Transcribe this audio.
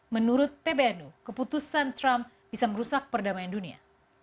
menurut pbnu keputusan trump bisa merusak perdamaian dunia